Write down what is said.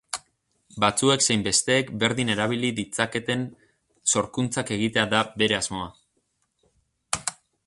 Batzuek zein besteek berdin erabili ditzaketen sorkuntzak egitea da bere asmoa.